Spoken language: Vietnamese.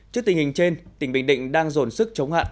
trước tình hình trên tỉnh bình định đang dồn sức chống hạn